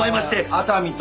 熱海とえ？